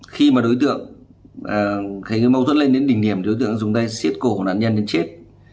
khi mà đối tượng thấy mâu thuẫn lên đến tình điểm đối tượng dùng tay siết cổ của đàn nhân đến chết